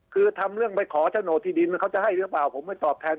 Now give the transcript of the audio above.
คือทำเรื่องไปขอโฉนดที่ดินเขาจะให้หรือเปล่าผมไม่ตอบแทน